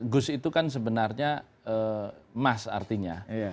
gus itu kan sebenarnya mas artinya